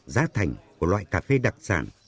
giá thành của loại cà phê đặc sản